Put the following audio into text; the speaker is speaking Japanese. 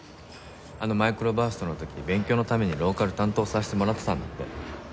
あのマイクロバーストの時勉強のためにローカル担当させてもらってたんだって。